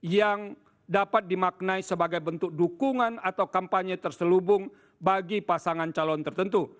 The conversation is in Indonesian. yang dapat dimaknai sebagai bentuk dukungan atau kampanye terselubung bagi pasangan calon tertentu